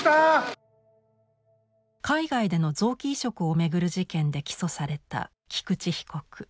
海外での臓器移植を巡る事件で起訴された菊池被告。